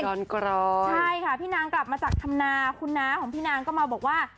ใช่ค่ะพี่นางกลับมาจากธรรมนาคุณน้าของพี่นางก็มาบอกว่า